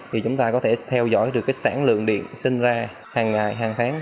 thì chúng ta có thể theo dõi được sản lượng điện sinh ra hàng ngày hàng tháng